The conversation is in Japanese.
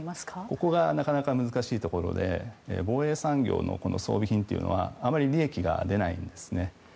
ここがなかなか難しいところで防衛産業の装備品というのはあまり利益が出ないんですね。